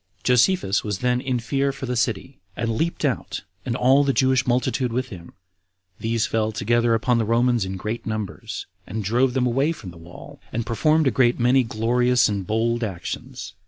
Josephus was then in fear for the city, and leaped out, and all the Jewish multitude with him; these fell together upon the Romans in great numbers, and drove them away from the wall, and performed a great many glorious and bold actions.